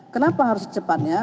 kenapa harus secepatnya